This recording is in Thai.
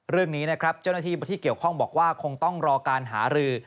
เรื่องนี้นะครับเจ้าหน้าที่ที่เกี่ยวข้องบอกว่าคงต้องรอการหารือ